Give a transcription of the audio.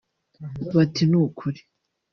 Bati “n’ukuri